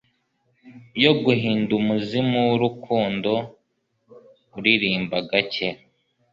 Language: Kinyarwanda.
yo guhinda umuzimuwurukundo uririmba gake